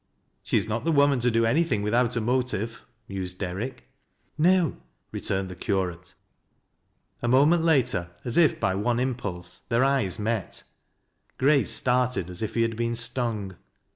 She is not the woman to do anything withciut a irotive," mused Denick. "No," returned the curate. A mament later, as if by one impulse, their eyes met. G race started as if he had been stung.